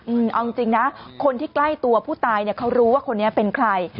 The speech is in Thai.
เอาจริงนะคนที่ใกล้ตัวผู้ตายเนี่ยเขารู้ว่าคนนี้เป็นใคร